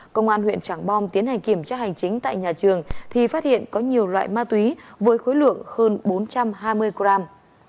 công an huyện trảng bom tiến hành kiểm tra hành chính tại nhà trường thì phát hiện có nhiều loại ma túy với khối lượng hơn bốn trăm hai mươi gram